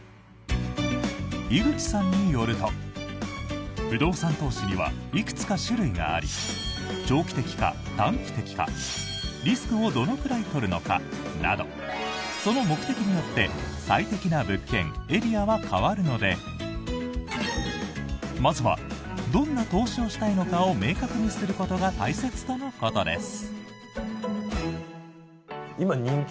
樋口さんによると不動産投資にはいくつか種類があり長期的か短期的かリスクをどのくらい取るのかなどその目的によって最適な物件、エリアは変わるのでまずはどんな投資をしたいのかを明確にすることが大切とのことです。